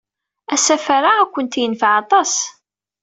Asafar-a ad kent-yenfeɛ aṭas.